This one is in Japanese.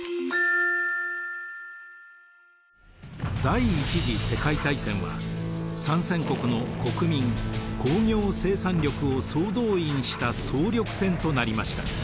第一次世界大戦は参戦国の国民工業生産力を総動員した総力戦となりました。